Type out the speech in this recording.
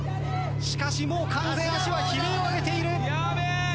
しかしもう完全に足は悲鳴を上げている。